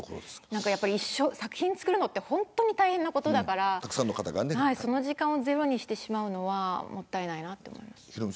作品を作るのは大変なことだからその時間をゼロにしてしまうのはもったいないなと思います。